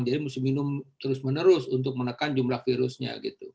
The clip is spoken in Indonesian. jadi mesti minum terus menerus untuk menekan jumlah virusnya